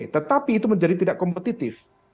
tetapi itu menjadi tidak kompetitif